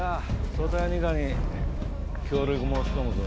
組対二課に協力申し込むぞ。